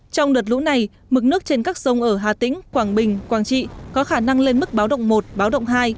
trong đợt lũ này mực nước trên các sông ở hà tĩnh quảng bình quảng trị có khả năng lên mức báo động một báo động hai